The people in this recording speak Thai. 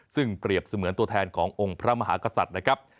ซึ่งเปรียบเสมือนตัวแทนขององค์พระมหากษัตริย์นะครับ